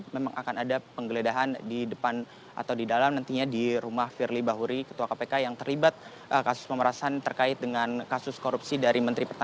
memang akan ada penggeledahan di depan atau di dalam nantinya di rumah firly bahuri ketua kpk yang terlibat kasus pemerasan terkait dengan kasus korupsi dari menteri pertahanan